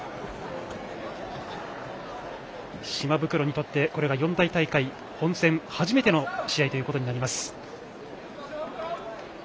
島袋にとって、これが四大大会本戦初めての試合ということになります。